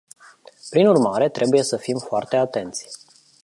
Prin urmare, trebuie să fim foarte atenți.